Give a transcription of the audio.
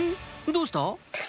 どうした？